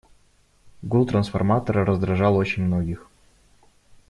Гул трансформатора раздражал очень многих.